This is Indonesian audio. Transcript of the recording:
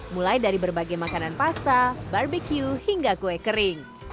mulai dari berbagai makanan pasta barbecue hingga kue kering